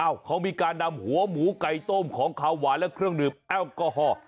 เขามีการนำหัวหมูไก่ต้มของขาวหวานและเครื่องดื่มแอลกอฮอล์